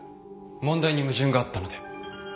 問題に矛盾があったので。